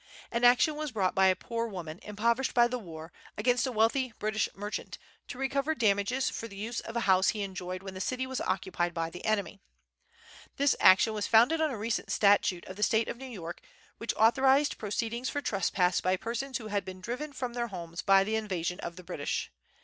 An action was brought by a poor woman, impoverished by the war, against a wealthy British merchant, to recover damages for the use of a house he enjoyed when the city was occupied by the enemy. The action was founded on a recent statute of the State of New York, which authorized proceedings for trespass by persons who had been driven from their homes by the invasion of the British.